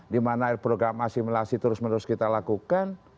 di mana program asimilasi terus menerus kita lakukan